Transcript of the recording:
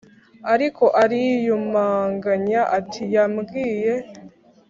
ariko ariyumanganya ati"yambwiye